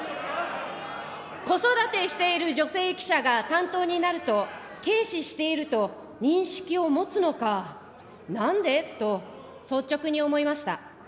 子育てしている女性記者が担当になると、軽視していると認識を持つのか、なんでと、率直に思いました。